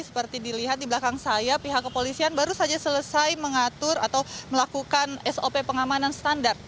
seperti dilihat di belakang saya pihak kepolisian baru saja selesai mengatur atau melakukan sop pengamanan standar